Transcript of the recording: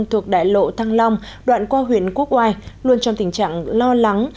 thuộc đại lộ thăng long đoạn qua huyện quốc oai luôn trong tình trạng lo lắng